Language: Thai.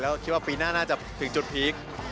แล้วคิดว่าปีหน้าน่าจะถึงจุดพีค